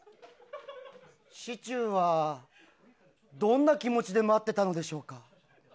シチューはどんな気持ちで待ってたのでしょうか？